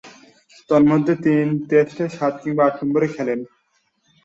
তন্মধ্যে, তিন টেস্টে সাত কিংবা আট নম্বরে খেলেন।